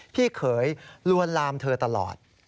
พี่เขยลวนลามเธอตลอด